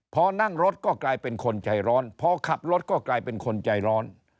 พอนั่งรถก็กลายเป็นคนใจร้อนพอขับรถก็กลายเป็นคนใจร้อน